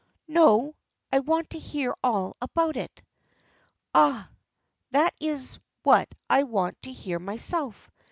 "No I want to hear all about it." "Ah! That is what I want to hear myself.